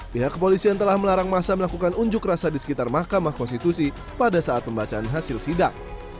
pihak kepolisian telah melarang masa melakukan unjuk rasa di sekitar mahkamah konstitusi pada saat pembacaan hasil sidang